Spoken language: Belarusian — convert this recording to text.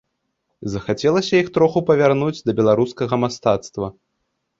Захацелася іх троху павярнуць да беларускага мастацтва.